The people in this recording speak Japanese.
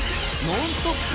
ノンストップ！